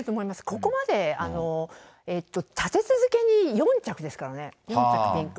ここまで立て続けに４着ですからね、４着ピンク。